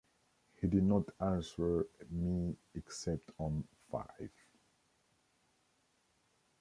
He did not answer me except on five.